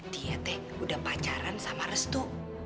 dia teh udah pacaran sama restu